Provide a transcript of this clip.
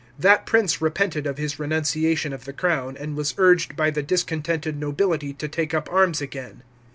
That prince repented of his renunciation of the crown, and was urged by the discontented nobility to take up arms again.